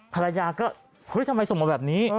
ภรรยาก็เฮ้ยทำไมส่งมาแบบนี้